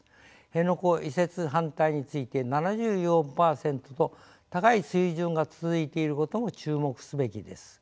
辺野古移設反対について７４％と高い水準が続いていることも注目すべきです。